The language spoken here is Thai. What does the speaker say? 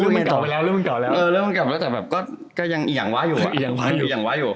รู้มันเก่าแล้วแต่ยังอิหยังวะอยู่